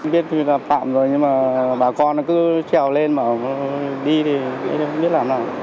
biết thì là phạm rồi nhưng mà bà con cứ trèo lên mà đi thì không biết làm nào